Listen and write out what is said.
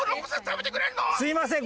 すみません。